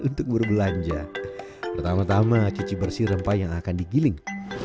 untuk berbelanja pertama tama cuci bersih rempah yang akan digiling